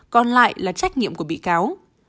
còn lại là trách nhiệm của bị cáo